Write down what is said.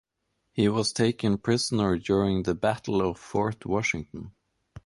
He was taken prisoner during the Battle of Fort Washington.